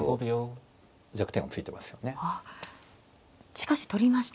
しかし取りました。